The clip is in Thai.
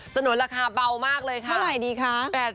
สนุนราคาเบามากเลยค่ะเท่าไหร่ดีคะ